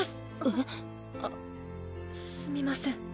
えっ？あっすみません。